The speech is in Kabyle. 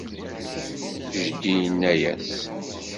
Jeddi inna-yas.